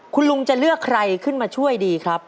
คุณลุงจะเลือกใครขึ้นมาช่วยดีครับ